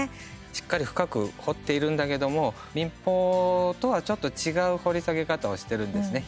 しっかり深く掘っているんだけども民放とはちょっと違う掘り下げ方をしているんですね。